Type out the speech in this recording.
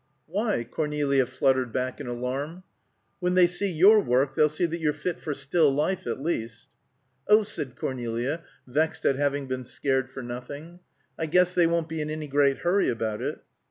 "Why?" Cornelia fluttered back in alarm. "When they see your work they'll see that you're fit for still life, at least." "Oh!" said Cornelia, vexed at having been scared for nothing. "I guess they won't be in any great hurry about it."